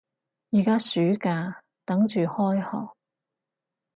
而家暑假，等住開學